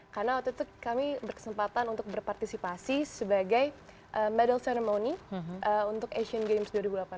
karena waktu itu kami berkesempatan untuk berpartisipasi sebagai middle ceremony untuk asian games dua ribu delapan belas